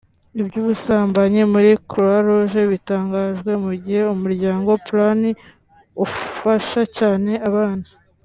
Iby’ubusambanyi muri Croix Rouge bitangajwe mu gihe Umuryango Plan ufasha cyane abana